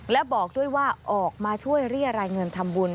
และบอกด้วยว่าออกมาช่วยเรียรายเงินทำบุญ